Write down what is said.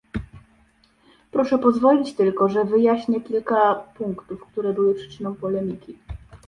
Proszę pozwolić tylko, że wyjaśnię kilka punktów, które były przyczyną polemiki